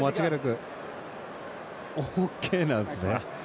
ＯＫなんですね。